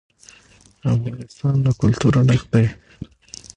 افغانستان له کلتور ډک دی.